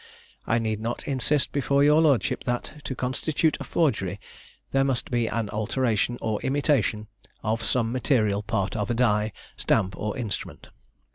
I need not insist before your lordship that to constitute a forgery there must be an alteration or imitation of some material part of a die, stamp, or instrument.